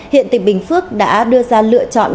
hiện tịch bình phước đã đưa ra lựa chọn